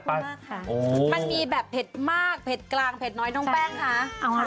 มากค่ะมันมีแบบเผ็ดมากเผ็ดกลางเผ็ดน้อยน้องแป้งคะ